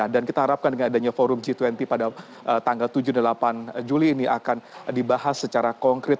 dan kita harapkan dengan adanya forum g dua puluh pada tanggal tujuh dan delapan juli ini akan dibahas secara konkret